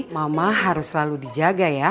mama harus selalu dijaga ya